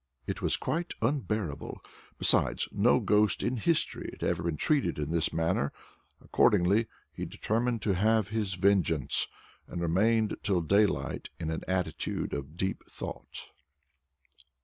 It was quite unbearable. Besides, no ghost in history had ever been treated in this manner. Accordingly, he determined to have vengeance, and remained till daylight in an attitude of deep thought.